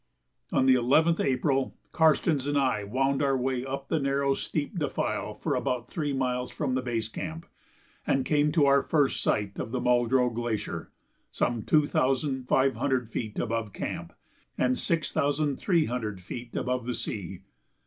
On the 11th April Karstens and I wound our way up the narrow, steep defile for about three miles from the base camp and came to our first sight of the Muldrow Glacier, some two thousand five hundred feet above camp and six thousand, three hundred feet above the sea.